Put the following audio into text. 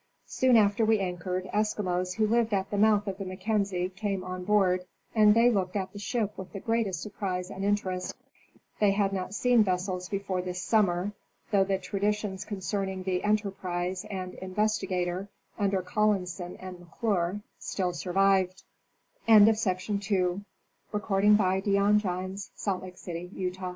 Soon after we anchored, Eskimos who lived at the mouth of the Mackenzie came on board, and they looked at the ship with the greatest surprise and interest. They had not seen vessels before this summer, though the traditions concerning the "'Kinterprise" and " Investigator," under Collinson and McClure, still su